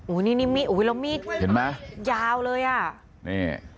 อืมอูยโว้ยแล้วมีดเห็นมั้ยยาวเลยอ่ะ